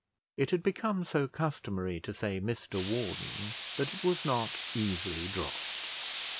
It had become so customary to say Mr Warden, that it was not easily dropped.